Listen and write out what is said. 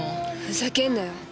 ふざけんなよ。